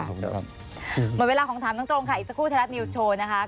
หมดเวลาของถามตรงค่ะอีกสักครู่ไทยรัฐนิวส์โชว์นะคะ